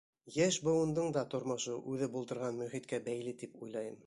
Йәш быуындың да тормошо үҙе булдырған мөхиткә бәйле тип уйлайым.